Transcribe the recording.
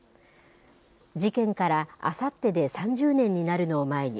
事件からあさってで３０年になるのを前に、